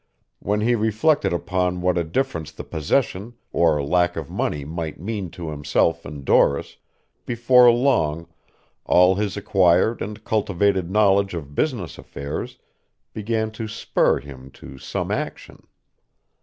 When he reflected upon what a difference the possession or lack of money might mean to himself and Doris, before long, all his acquired and cultivated knowledge of business affairs began to spur him to some action.